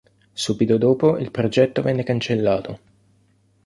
Subito dopo il progetto venne cancellato.